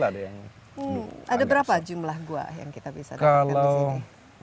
ada berapa jumlah gua yang kita bisa dapatkan di sini